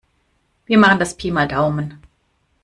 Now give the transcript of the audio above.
Wir machen das Pi mal Daumen.